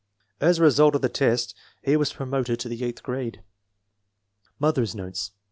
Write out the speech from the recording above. As a result of the test he was promoted to the eighth grade. Mother's notes.